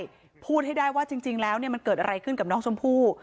จะตอบให้ได้พูดให้ได้ว่าจริงแล้วเนี่ยมันเกิดอะไรขึ้นกับน้องชมพู่